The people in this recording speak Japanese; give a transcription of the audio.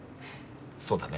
そうだね。